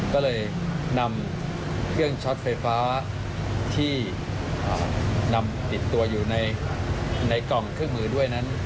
ก็เลยนำเครื่องช็อตไฟฟ้าที่นำติดตัวอยู่ในกล่องเครื่องมือด้วยนั้น